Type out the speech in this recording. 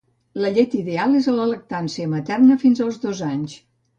La llet ideal és la lactància materna fins als dos anys